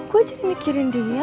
gue jadi mikirin dia